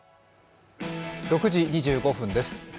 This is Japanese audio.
６時２５分です。